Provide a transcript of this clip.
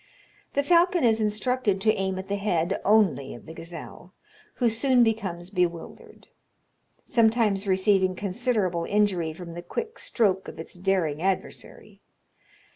The falcon is instructed to aim at the head only of the gazelle, who soon becomes bewildered; sometimes receiving considerable injury from the quick stroke of its daring adversary.